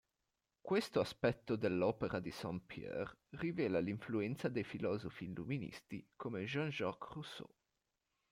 Questo aspetto dell'opera di Saint-Pierre rivela l'influenza dei filosofi Illuministi come Jean Jacques Rousseau.